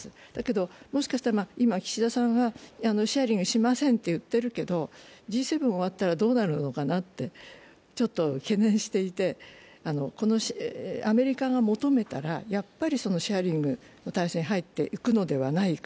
でも、もしかしたら今岸田さんがシェアリングしませんと言っているけれども、Ｇ７終わったらどうなるのかなってちょっと懸念していて、アメリカが求めたらやっぱりシェアリングの体制に入っていくのではないか。